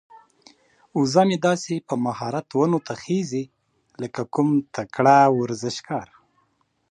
وزه مې داسې په مهارت ونو ته خيږي لکه کوم تکړه ورزشکار.